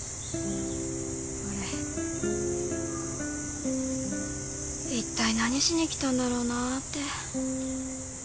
俺いったい何しに来たんだろうなって。